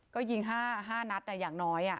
ก็ยิง๕นัดแต่อย่างน้อย